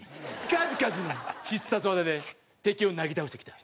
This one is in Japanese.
数々の必殺技で敵をなぎ倒してきた。